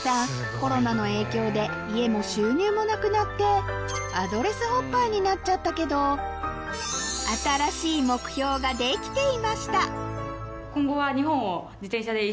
コロナの影響で家も収入もなくなってアドレスホッパーになっちゃったけど新しい目標が出来ていました！